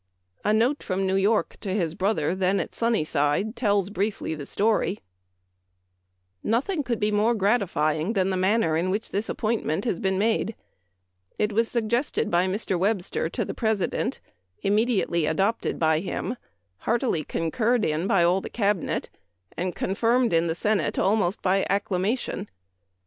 A note from New York to his brother, then at Sunnyside, tells briefly the story :" Nothing could be more gratifying than the manner in which this appointment has been made. It was suggested by Mr. Webster to the President, immediately adopted by him, heartily concurred in by all the Cabinet, and confirmed in the Senate almost by acclamation.